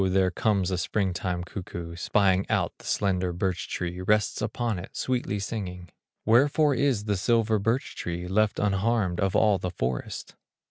there comes a spring time cuckoo, Spying out the slender birch tree, Rests upon it, sweetly singing: "Wherefore is the silver birch tree Left unharmed of all the forest?"